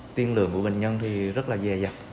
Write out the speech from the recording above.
tiên lượng của bệnh nhân rất là dè dặt